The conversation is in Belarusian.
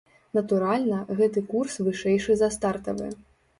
Натуральна, гэты курс вышэйшы за стартавы.